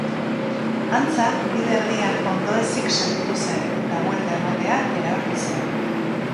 Antza, bide erdian ondoezik sentitu zen, eta buelta ematea erabaki zuen.